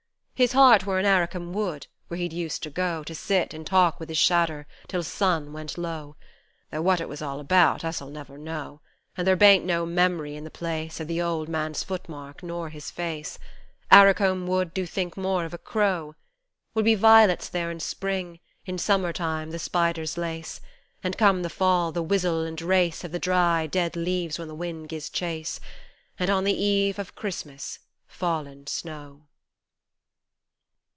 His heart were in Arracombe Wood where he'd used to go To sit and talk wi' his shadder till sun went low, Though what it was all about us'll never know. And there baint no mem'ry in the place Of th' old man's footmark, nor his face ; Arracombe Wood do think more of a crow 'Will be violets there in the Spring : in Summer time the spider's lace ; And come the Fall, the whizzle and race Of the dry, dead leaves when the wind gies chase ; And on the Eve of Christmas, fallin' snow.